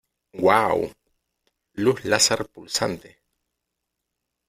¡ Uau !¡ luz láser pulsante !